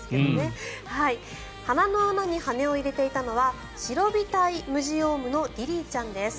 鼻の穴に羽根を入れていたのはシロビタイムジオウムのリリーちゃんです。